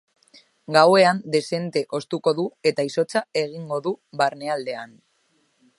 Gauean dezente hoztuko du eta izotza egingo du barnealdean.